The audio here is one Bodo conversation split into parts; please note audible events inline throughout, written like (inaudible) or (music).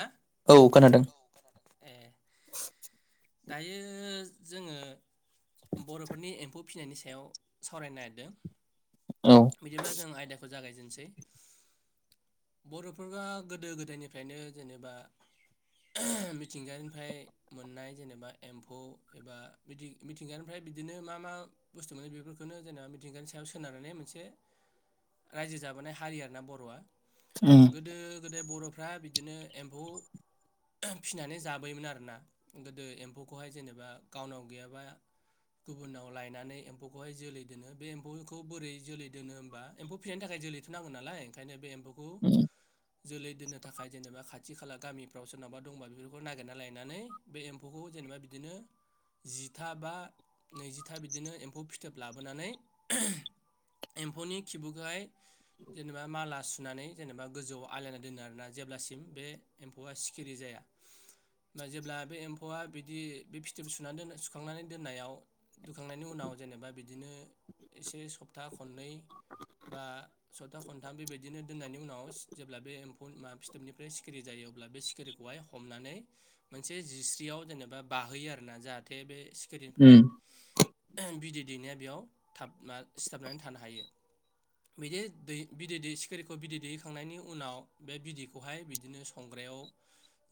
हा औ खोनादों। ए दायो जोङो बरफोरनि एम्फौ फिनायनि सायाव सावरायनो नायेरदों। औ बिदिब्ला जों आयदाखौ जागाय नोसै बरफोरा गोदो गोदायनिफ्रायनो जेनेबा मिथिंगानिफ्राय मोननाय जेनेबा एम्फौ एबा मिथिं-मिथिंगानिफ्राय बिदिनो मा मा बुस्थु मोनो बेफोरखौनो जेनेबा मिथिंगानि सायाव सोनारनानै मोनसे राज्यो जाबोनाय हारि आरो ना बर'आ। उम गोदो गोदाय बर' फ्रा बिदिनो एम्फौ फिसिनानै जाबोयोमोन आरोना गोदो एम्फौखौहाय जेनेबा गावनाव गैयाबा गुबुनाव लायनानै एम्फौखौहाय जोलै दोनो बे एम्फौखौ बोरै जोलै दोनो होनबा एम्फौ फिसिनायनि थाखाय जोलैथ नांगोन नालाय ओंखायनो बे एम्फौखौ (unintelligible) जोलै दोननो थाखाय जेनेबा खाथ खाथि खाला गामिफ्राव सोरनावाबा दंबा बेफोरखौ नागिरना लायनानै बे एम्फौखौ जेनेबा बिदिनो जिथा बा नैजिथा बिदिनो एम्फौ फिथोब लाबोनानै एम्फौनि खिबुखौहाय जेनेबा माला सुनानै जेनेबा गोजौआव आलायना दोनो आरोना जेब्लासिम बे एम्फौआ सिखिरि जाया बा जेब्ला बे एम्फौआ बिदि बे फिथोब सुनानै दोन सुखांनानै दोननायाव दुखांनायनि उनाव जेनेबा बिदिनो एसे सप्ता खननै बा सबथा खनथाम बेबायदिनो दोननायनि उनाव सि जेब्ला बे एम्फौ मा फिथोबनिफ्राय सि सिखिरि जायो अब्ला बे सिखिरिखौहाय हमनानै मोनसे जिस्रियाव जेनेबा बाहोयो आरोना जाहाथे बे सि खिरिनिफ्राय उम एह बिदै दैनाया बेयाव थाबना सिथाबनानै थानो हायो बिदि दै बिदै दै सिखिरिखौ बिदै दैहोखांनायनि उनाव बे बिदैखौहाय बिद बिदिनो संग्रायाव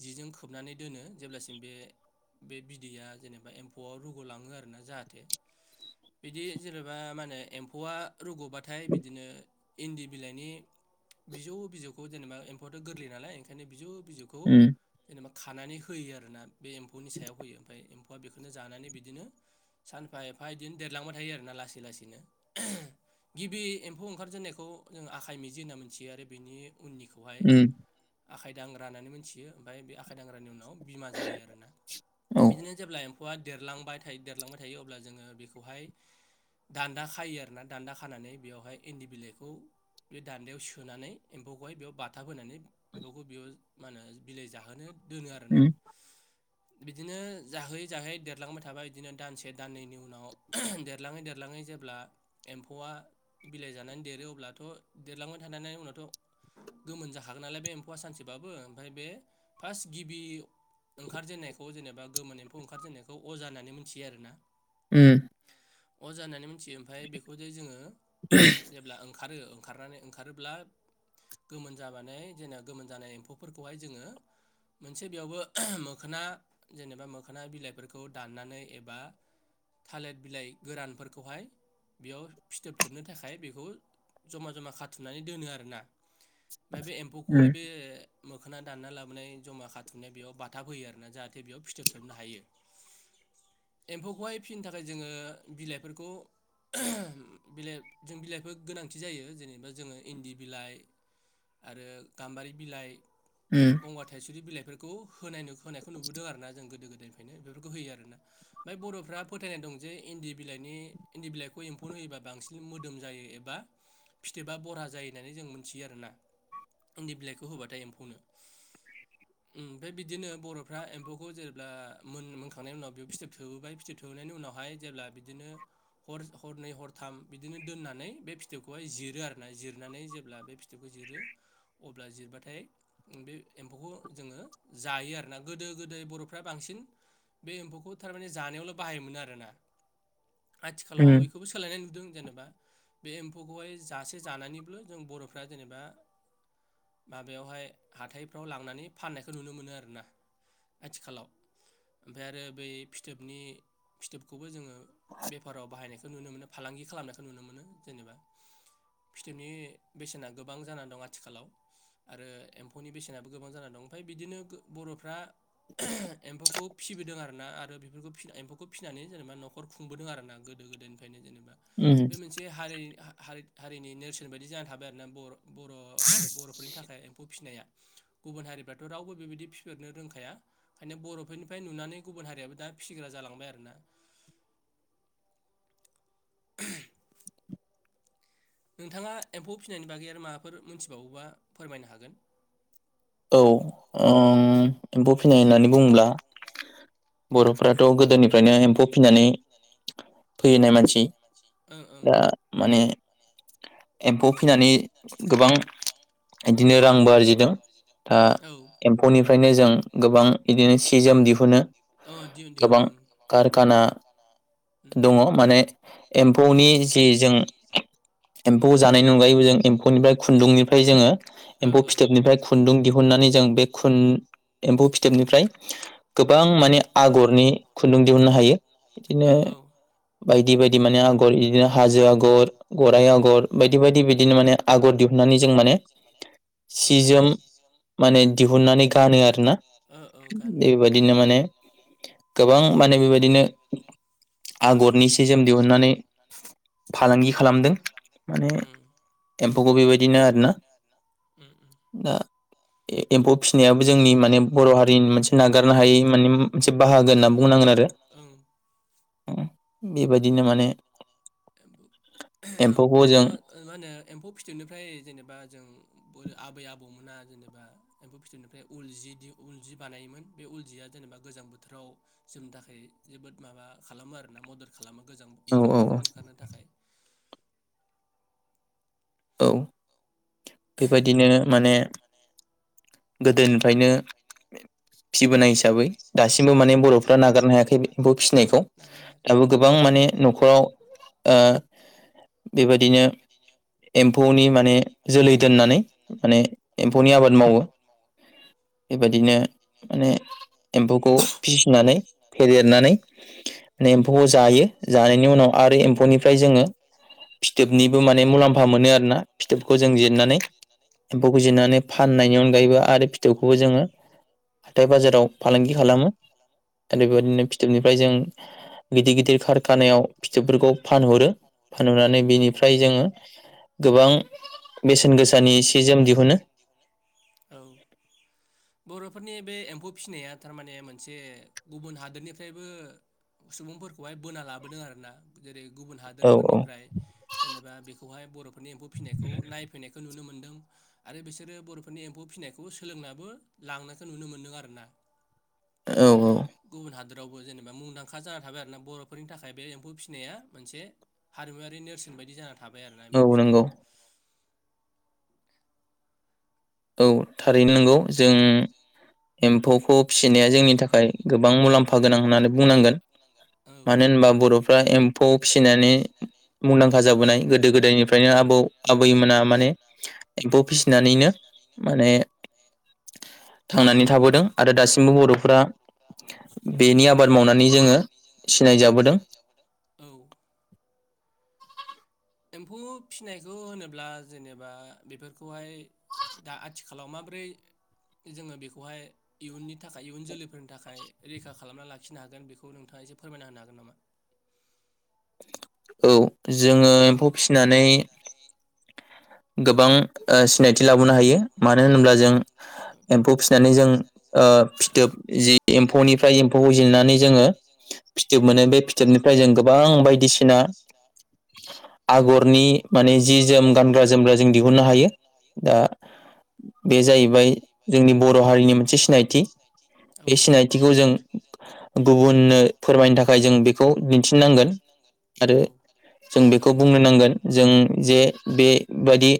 जिजों खोबनानै दोनो जेब्लासिम बे बे बिदैया जेनेबा एम्फौआव रुग लाङो आरोना जाहाथे बिदि जेनेबा मा होनो एम्फौआ रुग बाथाय बिदिनो इन्दि बिलाइनि बिजौ बिजौखौ जेनेबा एम्फौआथ' गोरलै नालाय माने बिजौ बिजौखौ उम जेनेबा खानानै होयो आरोना बे एम्फौ नि सायाव होयो ओमफाय एम एबा बेखौनो जानानै बिदिनो सानफा एफा बिदिनो देरलांबाय थायो आरोना लासै लासैनो एहे गिबि एम्फौ ओंखारजेननायखौ जों आखाइ मिजि होनना मिथियो आरो बेनि उननिखौहाय उम आखाइ दांग्रा होननानै मोनथियो ओमफ्राय बे आखाय दांग्रानि उनाव बिमा जायो आरोना औ बिदिनो जेब्ला फुवा देरलांबाय थायो देरलांबाय थायो अब्ला जोङो बेखौहाय दान्दा खायो आरोना दान्दा खानानै बेवहाय इन्दि बिलाइखौ बे दान्दायाव सोनै एम्फौखौहाय बेयाव बाथाब होनोनानै एम्फुखौ बेयाव मा होनो बिलाइ जाहोनो दोनो आरोना। उम बिदिनो जाहोयै जाहोयै देरलांबाय थाबाय बिदिनो दानसे दाननैनि उनाव ऐहे देरलाङै देरलाङै जेब्ला एम्फौआ बिलाइ जानानै देरो अब्लाथ' देरलांबाय थानायनि उनावथ' गोमोन जाखागोन नालाय बे एम फौआ सानसेबाबो ओमफाय बे फास्त गिबि ओंखारजेनन्नायखौ जेनेबा गोमोन एम्फौ ओंखारजेननायखौ अजा होननानै मोनथियो आरो ना। उम अजा होननानै मिथियो ओमफफ्राय बेखौ जे जोङो जेब्ला ओं ओंखारो ओंखारनानै ओंखारोब्ला गोमोन जाबानो जेने गोमोन जानाय एम्फौफोरखौहाय जोङो मोनसे बेयावबो ऐहो मोखोना जेनेबा मोखोना बिलाइफोरखौ दाननानै एबा थालिर बिलाइ गोरानफोरखौहाय बेयाव फिथोबसोबनो थाखाय बेखौ जमा जमा खाथुमनानै दोनो आरो ना। ओफाय बे एम्फौख उम फौआ बे मोखोना दानना लाबोनाय जमा खाथुमनाय बेयाव बाथाब फयो आरोना जाहाथे बेयाव फिथोबथोबनो हायो। एम्फौखौहाय फिसिनो थाखाय जोङो बिलाइफोरखौ ओहो बिलाइ जों बिलाइफोर गोनांथि जायो जेनेबा जोङो इन्दि बिलाइ आरो गाम्बारि बिलाइ उम गंगार थाइसदि बिलाइफो खौ होनाय नु होनायखौ नुबोदों आरो ना जों गोदो गोद बेनिखायनो बेफोरखौ होयो आरोना ओमफ्राय बर'फ्रा फोथायनाय दं जे इन्दि बिलाइनि इन्दि बिलाइखौ एम्फौनो होयोबा बांसिन मोदोम जायो एबा फिथोबा बरहा जायो होननानै जों मिथियो आरोना नि बिलाइखौ होबाथाय एम्फौनो ओमफाय बिदिनो बर'फ्रा एम्फौखौ जेब्ला मोन-मोनखांनायनि उनाव बेयाव फिथोब थोहोबाय फिथोब थोबहोनायनि उनावहाय जेब्ला बिदिनो हर-हरनै हरथाम बिदिनो दोननानै बे फिथोबखौहाय जिरो आरो ना जिरनानै जेब्ला बे फिथोबखौ जिरो अब्ला जिरबाथाय बे एम्फौखौ जोङो जायो आरोना गोदो गोदाय बर'फ्रा बांसिन बे एम्फौखौ थारमाने जानायावल' बाहायोमोनो आरोना। उम आथिखालाव इखोबो सोलायनाय नुदों जेनेबा बे एम्फौखौहाय जासे जानानैबो जों बर'फ्रा जेनेबा माबायावहाय हाथायफ्राव लांनानै फाननायखौ नुनो मोनो आरोना आथिखालाव ओमफ्राय आरो बै फिथोबनि फिथोबखौबो जोङो बेफाराव बाहायनायखौ नुनो मोनो फालांगि खालामनायखौ नुनो मोनो जेनेबा फिथोबनि बेसेना गोबां जानानै दं आज थिखालाव आरो एम्फौनि बेसेनाबो गोबां जानानै दं ओमफ्राय बिदिनो ब-बर'फ्रा ऐहे एम्फौखौ फिसिबोदों आरोना आरो बेफोरखौ फिस एम्फौखौ फिसिनानै जेनेबा नखर खुंबोदों आरो ना गोदो गोदायनिफ्रायनो जेनेबा उम बे मोनसे हारि हा हारि-हारिनि नेरसोन बायदि जाना थाबाय आरोना बर-बर' बे बर'फोरनि थाखाय एम्फौ फिनाया। गुबुन हारिफ्राथ' रावबो बेबायदि फिफेरनो रोंखाया ओंखायनो बर' फोरनिफ्राय नुनानै गुबुन हारियाबो दा फिसिग्रा जालांबाय आरोना। (inaudible) नोंथाङा एम्फौ फिनायनि बागै आरो माबाफोर मोनथिबावोबा फोरमायनो हागोन। औ ओं एम्फौ फिनाय होननानै बुङोब्ला बर'फ्राथ' गोद दोनिफ्रायनो एम्फौ फिनानै। फैनाय मानसि। ओं ओं दा माने एम्फौ फिनानै गोबां इदिनो रांबो आरजिदों। दा औ एम्फौनि फ फ्रायनो जों गोबां इदिनो सि जोम दिहुनो। औ दिहुन दिहुन गोबां ओं कारखाना। उम दङ माने एम्फौनि जि जों एम्फौ जानायनि अनगायैबो जों एम्फौनिफ्राय खुन्दुंनिफ्राय जोङो। ओ एम्फौ फिथोबनिफ्राय खु दिहुननानै जों बे औ खुन एम्फौ फिथोबनिफ्राय। गोबां माने आगरनि खुन्दुं दिहुननो हायो बिदिनो। ओ औ बायदि बायदि माने आगर इदिनो हाजो आगर गराइ आगर बायदि बायदि बिदिनो माने आगर दिहुननानै जों माने। औ सि जोम। माने दिहुुननानै गानो आरो ना ओ औ गानो बेबायदिनो माने। गोबां माने बेबायदिनो आगरनि सि जोम दिहुननानै फालांगि खालामदों। माने उम एम फौखौ बेबायदिनो आरो। ना उम उम ना ए-एम्फौ। फिसिनायाबो जोंनि माने बर' हारिनि मोनसे नागारनो हायै माने मोनसे बाहागो होनना बुंनांगोन आरो। आरो। बेबायदिनो माने ओ एम्फौखौ उम जों मा होनो एम्फौ फिथोबनिफ्राय जेनेबा जों बै आबै आबौमोना जेनेबा एम्फौ फिथोबनिफ्राय उल जि उल जि बानायोमोन बे उल जिया जेनेबा गोजां बोथोराव जोमनो थाखाय जोबोद माबा खालामो आरोना मदद खालामो। गोजां औ औ गोजांनायखौ थाखाय। औ। बेबायदिनो माने गोदोनिफायनो फिसिबोनाय हिसाबै दासिमबो माने बर'फ्रा नागारनो हायाखै बे एम्फौ फि फिनायखौ नागारनो हायाखै आं दाबो गोबां माने न'खराव ओ बेबायदिनो एम्फौनि माने जोलै दोननानै माने एम्फौनि आबाद मावो। बेबायदिनो माने एम्फौखौ फिसिनानै फेदेरनानै माने औ एम्फौखौ जायो जानायनि उनाव आरो एम्फौनिफ्राय जोङो फिथोबनिबो माने मुलाम्फा मोनो आरोना फिथोबखौ जों जिरनानै एम्फौखौ जिरनानै फाननायनि अन गायैबो आरो फिथोबखौबो जोङो हाथाय बाजाराव फालांगि खालामो आरो औ नानै बेबायदिनो फिथोबनिफ्राय जों गिदिर गिदिर खारखानायाव फिथोबफोरखौ फानहरो फानहरनानै बेनिफ्राय जोङो गोबां बेसेन गोसानि सि जोम दिहुनो। औ (inaudible) बरफोरनि बे एम्फौ फिनाया थारमाने मोनसे गुबुन हादोरनिफ्रायबो सुबुंफोरखौहाय बोना लाबोदों आरोना जेरै। गुबुन औ हादोरफोरनिफ्राय जेनेबा बेखौहाय बर नि एम्फौ फिनायखौ नायफैनायखौ नुनो मो मोनदों आरो बिसोरो बरफोरनि एम्फौ फिनायखौबो सोलोंनाबो। लांनायसो नुनो मोनदों आरो ना। औ औ। रावबो जेनेबा मुंदांखा जानानै थाबाय आरोना बरफोरनि थाखाय बे एम्फौ फिसिनाया मोनसे हारिमुवारि नेरसोन बायदि जाना था थाबाय आरोना औ एम्फौ फिनाया। नंगौ औ थारैनो नंगौ जों एम्फौखौ। फिसिनाया जोंनि थाखाय गोबां मुलाम फा गोनां होननानै बुंनांगोन। औ मानो होनबा बर फ्रा एम्फौ फिसिनानै मुंदांखा जाबोनाय गोदो गोदायनिफ्रायनो आबौ आबैमोना माने एम्फौ फिसिनानैनो माने थांनानै थाबोदों आरो दासिमबो बर'फ्रा। बेनि आबाद मावनानै जोङो सिनायजाबोदों। औ एम्फौ फिनायखौ होनोब्ला जेनेबा बेफोरखौहाय दा आथिखालाव माबोरै जोङो बेखौहाय इयुननि थाखाय इयुन जोलैफोरनि थाखाय रैखा खालामना लाखिनो हागोन बेखौ नोंथाङा एसे फोरमायना होनो हागोन नामा? औ जोङो एम्फौ फिनानै गोबां ओ सिनायथि लाबोनो हायो मानो होनोब्ला जों। एम्फौ फिनानै जों ओ फिथोब। जि एम्फौनिफ्राय एम्फौखौ जिरनानै जोङो फिथोब मोनो बे फिथोबनिफ्राय जों गोबां बायदिसिना। बायदिसिना। आगद। रनि माने जि जोम गानग्रा जोमग्रा जों दिहुननो हायो। दा बे जाहैबाय जोंनि बर हारिनि मोनसे सिनायथि औ बे सिनायथिखौ जों गुबुननो। फोरमायनो थाखाय जों बेखौ दिन्थिनांगोन। आरो औ जों औ बेखौ औ बुंनो नंगौ। नांगोन जों जे बेबादि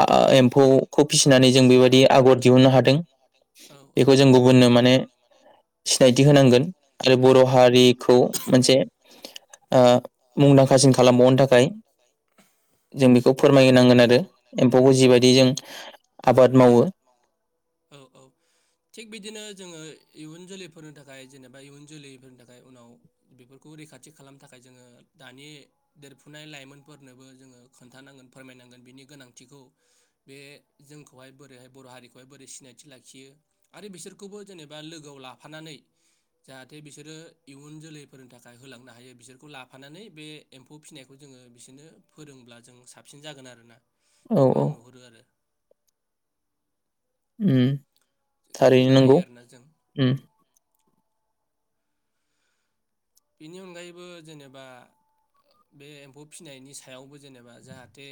आ एम्फौ खुब फिसिनानै जों बेबायदि आगर दिहुननो हादों। औ औ बेखौ जों गुबुननो माने सिनायथि होनांगोन आरो बर ओं हारिखौ मोनसे ओ। मुंदांखासिन खालामबावनो थाखाय जों बेखौ फोरमायहोनांगोन आरो एम्फौखौ जिबायदि जों आबाद। मावो (unintelligible) औ औ थिग बिदि नो जोङो इयुन जोलैफोरनि थाखाय जेनेबा इयुन जोलैफोरनि थाखाय उनाव बेफोरखौ रैखाथि खालामनो थाखाय जोङो दानि देरफुनाय लाइमोनफोरनोबो जोङो खोन्थानांगोन फोरमायनांगोन बिनि गोनांथिखौ बे जोंखौ। बेहाय बोरैहाय बर' हारिखौहाय बोरै सिनायथि लाखियो आरो बिसोरखौबो जेनेबा लोगोआव लाफानानै जाहाथे बिसोरो इयुन जोलैफोरनि थाखाय होलांनो हायो बिसोरखौ लाफानानै बे एम्फौ फिसिनायखौ जोङो बिसोरनो फोरोंब्ला जों साबसिन जागोन आरो ना। औ बेखौ आं नुहुरो आरो उम। बेखौ थारैनो बुंनो नंगौ हायो आरोना जों उम बेनि अनगायैबो जेनेबा बे एम्फौ फिनायनि सायावबो जेनेबा जाहाथे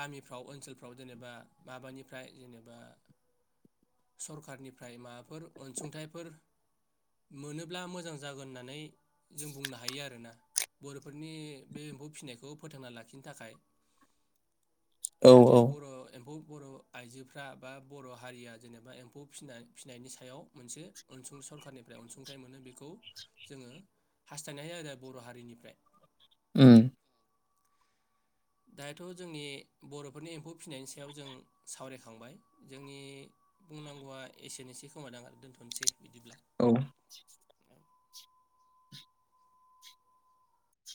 गामिफ्राव ओनसोलफ्राव जेनेबा माबानिफ्राय जेनेबा सरखारनिफ्राय माबाफोर अनसुंथाइफोर मोनोब्ला मोजां जागोन होननानै जों बुंनो हायो आरोना बर'फोरनि बे एम्फौ फिनायखौ फोथांना लाखिनो थाखाय औ जाहाथे औ बर एम्फौ बर' आइजोफ्रा बा बर' हारिया जेनेबा एम्फौ फिनाय फिनायनि सायाव मोनसे अनसुं सरखारनिफ्राय अनसुंथाइ मोनो बेखौ जोङो हास्थायनो हायो आरो बर' हारिनिफ्राय उम। दायोाथ' जोंनि बर'फोरनि एम्फौ फिसिनायनि सायाव जों सावरायखांबाय जोंनि बुंनांगौआ एसेनो एसै खोमादां आरो दोन्थनोसै बिदिब्ला औ